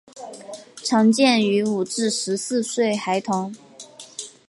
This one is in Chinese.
常见于五至十四岁孩童。